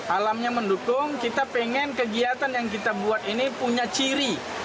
alamnya mendukung kita pengen kegiatan yang kita buat ini punya ciri